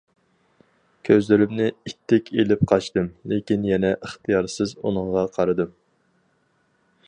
كۆزلىرىمنى ئىتتىك ئېلىپ قاچتىم، لېكىن يەنە ئىختىيارسىز ئۇنىڭغا قارىدىم.